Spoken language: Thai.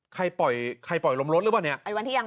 ใครปล่อยลมรถหรือเปล่านี่